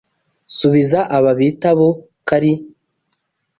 Subiza aba bitabo kari.